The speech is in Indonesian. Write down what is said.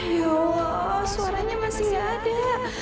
ya allah suaranya masih nggak ada